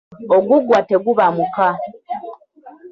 Oguggwa teguba muka.